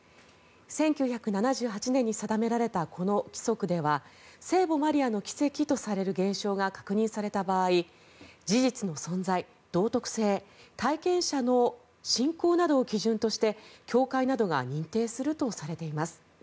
１９７８年に定められたこの規則では聖母マリアの奇跡とされる現象が確認された場合事実の存在、道徳性体験者の信仰などを基準として教会などが認定するとされています。